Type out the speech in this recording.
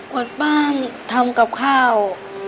วัดบ้านทำกับข้าว